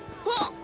あっ！